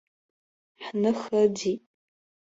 Ҳныха ыӡит!